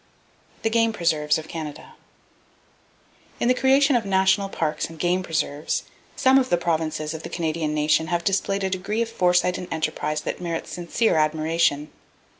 The Game Preserves Of Canada In the creation of National parks and game preserves, some of the provinces of the Canadian nation have displayed a degree of foresight and enterprise that merits sincere admiration.